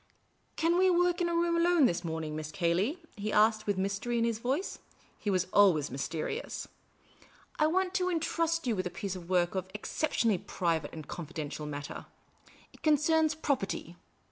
" Can we work in a room alone this morning. Miss Cayley ?" he asked, with mystery in his voice ; he was always mysteri ous. " I want to intrust you with a piece of work of an ex ceptionally private and confidential character. It concerns Property.